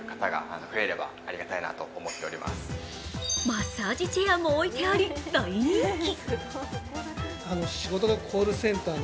マッサージチェアも置いてあり大人気。